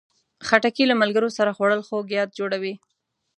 خټکی له ملګرو سره خوړل خوږ یاد جوړوي.